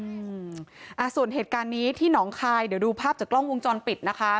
อืมอ่าส่วนเหตุการณ์นี้ที่หนองคายเดี๋ยวดูภาพจากกล้องวงจรปิดนะคะ